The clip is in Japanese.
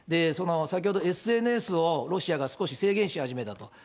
先ほどＳＮＳをロシアが少し制限し始めたと。